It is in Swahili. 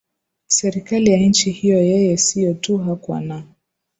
serikali ya nchi hiyo Yeye sio tu hakuwa na